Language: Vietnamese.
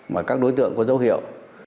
mà các đối tượng có dấu hiệu